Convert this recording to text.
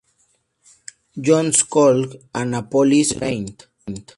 John's College, Annapolis, Maryland.